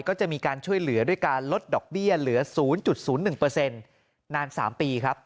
ก็จะมีการช่วยเหลือด้วยการลดดอกเบี้ยเหลือ๐๐๑นาน๓ปีครับ